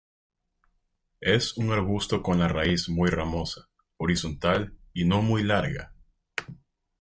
Es un arbusto con la raíz muy ramosa, horizontal y no muy larga.